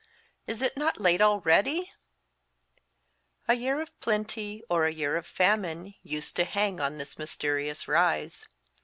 " Is it not late already ?" A year of plenty or a year of famine used to hang on this mysterious rise.